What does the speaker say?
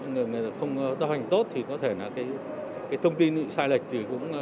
người không chấp hành tốt thì có thể là thông tin sai lệch